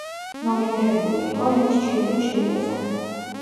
ნომინირებული იყო ემის ჯილდო ჯილდოზე.